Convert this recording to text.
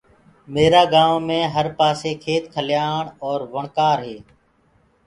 ميرآ گائونٚ مي هر پآسي کيت کليآن اور وڻڪآر هي۔